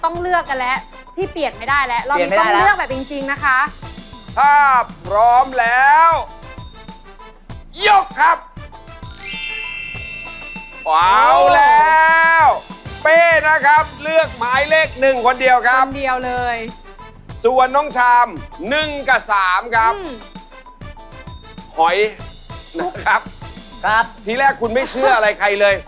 ที่แรกคุณไม่เชื่ออะไรใครเลย